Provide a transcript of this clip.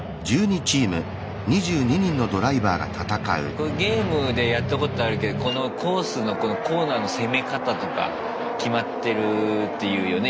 これゲームでやったことあるけどこのコースのこのコーナーの攻め方とか決まってるっていうよね。